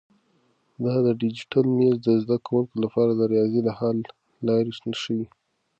دا ډیجیټل مېز د زده کونکو لپاره د ریاضي حل لارې ښیي.